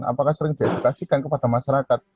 apakah sering diedukasikan kepada masyarakat